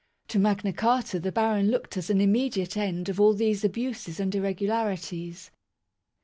To Magna Carta the baron looked as an immediate end of all these abuses and irregularities.